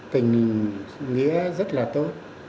tình nghĩa rất là tốt